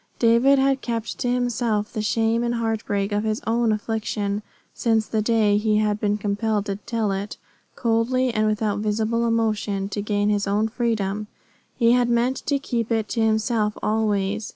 David had kept to himself the shame and heartbreak of his own affliction since the day he had been compelled to tell it, coldly and without visible emotion, to gain his own freedom. He had meant to keep it to himself always.